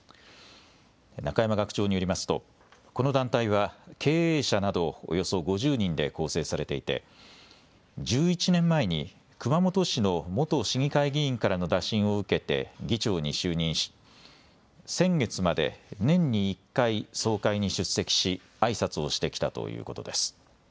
中山学長によりますとこの団体は経営者などおよそ５０人で構成されていて１１年前に熊本市の元市議会議員からの打診を受けて議長に就任し先月まで年に１回、総会に出席しあいさつをしてきたということです。